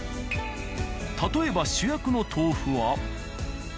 例えば主役の豆腐は。